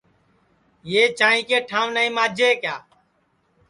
یہ چاںٚئی کے ٹھاںٚو نائی ماجے کیا